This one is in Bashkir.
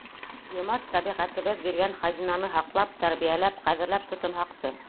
Йомарт тәбиғәтебеҙ биргән хазинаны һаҡлап, тәрбиәләп, ҡәҙерләп тотонһаҡсы.